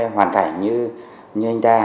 hoàn cảnh như anh ta